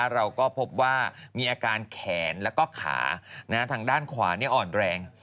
เราก็พบว่ามีอาการแขนแล้วก็ขาทางด้านขวาอ่อนแรง